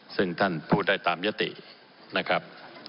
ซึ่งท่านพูดได้ตามยตินะครับ